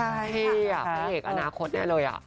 ใช่พระเหกอาณาคตแน่เลยอ่ะ